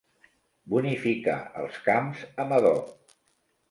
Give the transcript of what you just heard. Bonificar els camps amb adob.